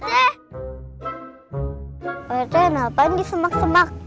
pak rt ngapain disemak semak